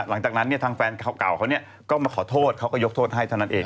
หลังจากนั้นเนี่ยทางแฟนเก่าเขาก็มาขอโทษเขาก็ยกโทษให้เท่านั้นเอง